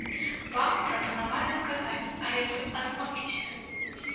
Вам прапанавалі адказаць, але вы адмовіліся.